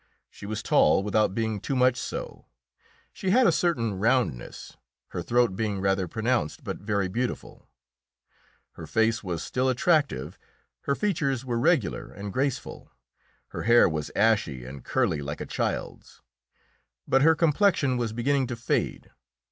She was tall without being too much so; she had a certain roundness, her throat being rather pronounced but very beautiful; her face was still attractive, her features were regular and graceful; her hair was ashy, and curly like a child's. But her complexion was beginning to fade.